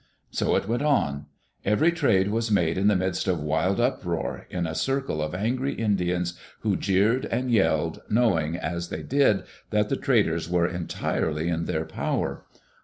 So it went on. Every trade was made in the midst of wild uproar, in a circle of angry Indians who jeered and yelled, knowing, as they did, that the traders were entirely in their power.